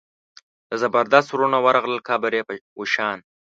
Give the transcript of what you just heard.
د زبردست وروڼه ورغلل قبر یې وشان.